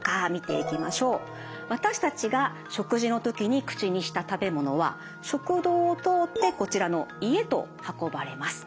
私たちが食事の時に口にした食べ物は食道を通ってこちらの胃へと運ばれます。